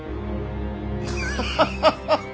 ハハハハハ！